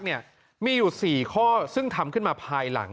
มีอยู่๔ข้อซึ่งทำขึ้นมาภายหลัง